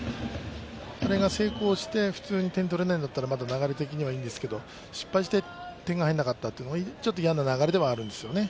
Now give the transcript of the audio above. あれが成功して普通に点が取れなかったらまだ流れたならいいんですけど失敗して点が入らなかったのはちょっと嫌な流れではありますよね。